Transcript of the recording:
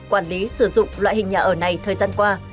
quản lý sử dụng loại hình nhà ở này thời gian qua